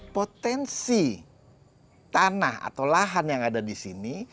potensi tanah atau lahan yang ada di sini